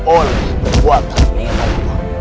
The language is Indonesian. oleh berbuatan ini